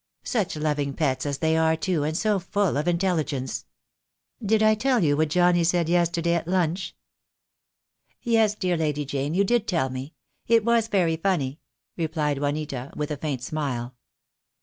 Such loving pets as they are too, and so full of intelligence. Did I tell you what Johnnie said yesterday at lunch?" "Yes, dear Lady Jane, you did tell me. It was very funny," replied Juanita, with a faint smile.